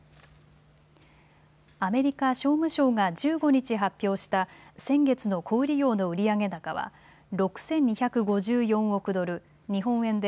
アメリカ商務省が１５日発表した先月の小売業の売上高は６２５４億ドル、日本円で